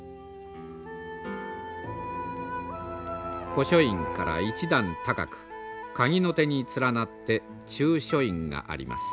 古書院から１段高く鍵の手に連なって中書院があります。